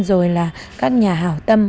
rồi là các nhà hào tâm